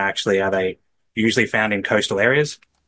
yang sangat jarang sebenarnya di tempat pantai